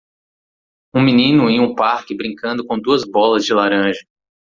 Um menino em um parque brincando com duas bolas de laranja.